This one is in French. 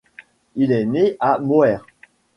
Il est né à Moers.